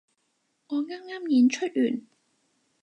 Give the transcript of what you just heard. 我啱啱演出完